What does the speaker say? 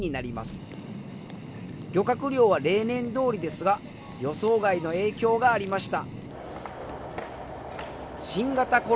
漁獲量は例年どおりですが予想外の影響がありました。